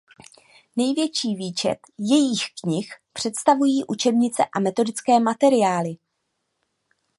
Největší výčet jejích knih představují učebnice a metodické materiály.